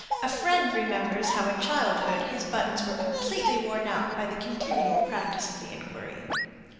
A friend remembers how in childhood his buttons were completely worn out by the continual practice of the inquiry.